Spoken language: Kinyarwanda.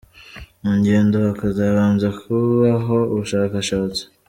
mu ngendo hakabanza kubaho ubushakashatsi.